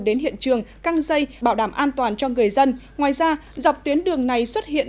đến hiện trường căng dây bảo đảm an toàn cho người dân ngoài ra dọc tuyến đường này xuất hiện